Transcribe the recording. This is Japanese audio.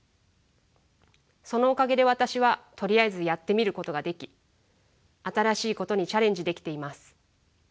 そのおかげで私はとりあえずやってみることができ新しいことにチャレンジできています。